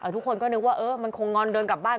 ทุกคนก็นึกว่ามันคงงอนเดินกลับบ้าน